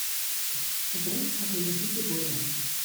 Herr Brecht hat eine dicke Beule am Kopf.